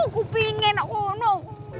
gua pengen aku mau